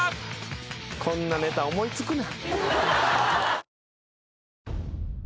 こんなネタ思い付くな。